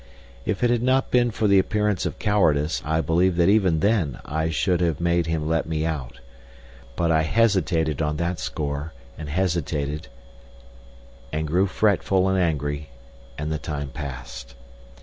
If it had not been for the appearance of cowardice, I believe that even then I should have made him let me out. But I hesitated on that score, and hesitated, and grew fretful and angry, and the time passed.